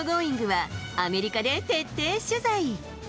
は、アメリカで徹底取材。